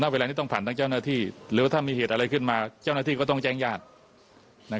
เวลาที่ต้องผ่านทั้งเจ้าหน้าที่หรือว่าถ้ามีเหตุอะไรขึ้นมาเจ้าหน้าที่ก็ต้องแจ้งญาติ